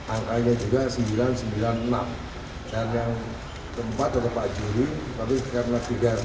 angkanya juga seribu sembilan ratus sembilan puluh enam dan yang keempat ada pak juli tapi karena tiga